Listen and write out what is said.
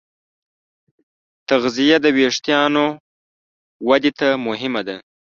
تغذیه د وېښتیانو ودې ته مهمه ده.